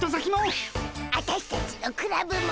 アタシたちのクラブも！